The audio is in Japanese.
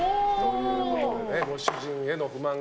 ご主人への不満が。